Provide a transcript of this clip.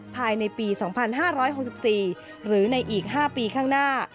ภายในปี๒๕๖๔หรือในอีก๕ปีข้างหน้า